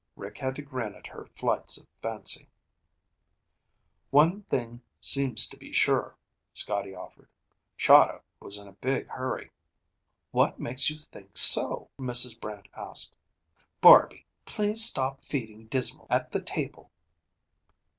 Rick had to grin at her flights of fancy. "One thing seems sure," Scotty offered. "Chahda was in a big hurry." "What makes you think so?" Mrs. Brant asked. "Barby! Please stop feeding Dismal at the table."